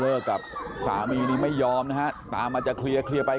มีขอเลิกกับสามีนี้ไม่ยอมนะฮะตามอาจจะเคลี่ยร์เคลี่ยร์ไป